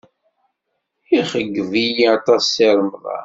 Ixeyyeb-iyi aṭas Si Remḍan.